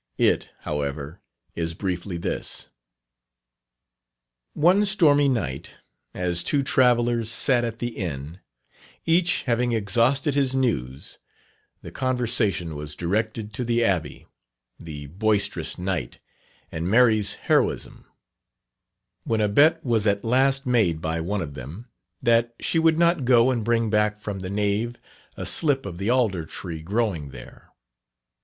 It, however, is briefly this: "One stormy night, as two travellers sat at the inn, each having exhausted his news, the conversation was directed to the Abbey, the boisterous night, and Mary's heroism; when a bet was at last made by one of them, that she would not go and bring back from the nave a slip of the alder tree growing there.